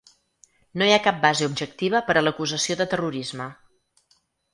No hi ha cap base objectiva per a l’acusació de terrorisme.